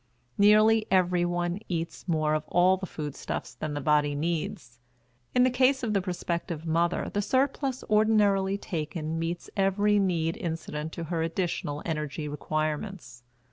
Nearly everyone eats more of all the food stuffs than the body needs. In the case of the prospective mother the surplus ordinarily taken meets every need incident to her additional energy requirements.